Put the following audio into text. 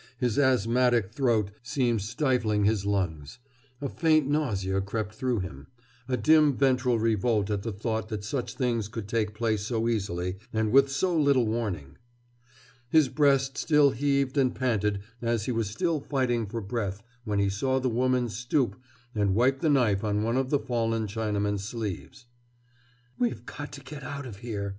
His asthmatic throat seemed stifling his lungs. A faint nausea crept through him, a dim ventral revolt at the thought that such things could take place so easily, and with so little warning. His breast still heaved and panted and he was still fighting for breath when he saw the woman stoop and wipe the knife on one of the fallen Chinaman's sleeves. "We've got to get out of here!"